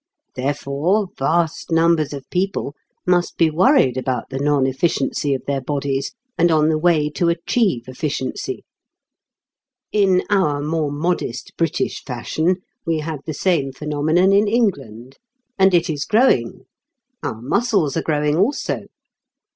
Therefore vast numbers of people must be worried about the non efficiency of their bodies, and on the way to achieve efficiency. In our more modest British fashion, we have the same phenomenon in England. And it is growing. Our muscles are growing also.